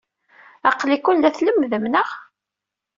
Aql-iken la tlemmdem, naɣ?